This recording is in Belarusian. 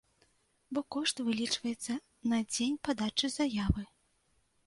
Бо кошт вылічваецца на дзень падачы заявы.